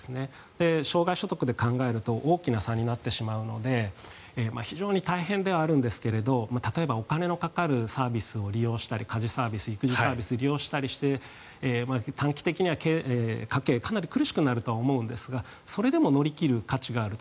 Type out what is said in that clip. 生涯所得で考えると大きな差になってしまうので非常に大変ではあるんですが例えば、お金のかかるサービスを利用したり家事サービス、育児サービスを利用したりして短期的には家計がかなり苦しくなると思うんですがそれでも乗り切る価値があると。